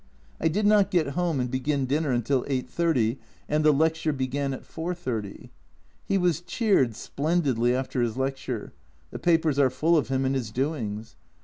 I did not get home and begin dinner until 8.30, and the lecture began at 4.30. He was cheered splendidly after his lecture ; the papers are full of him and his doings.